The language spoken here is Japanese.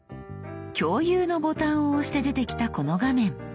共有のボタンを押して出てきたこの画面。